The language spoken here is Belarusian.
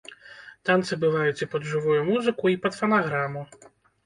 Танцы бываюць і пад жывую музыку, і пад фанаграму.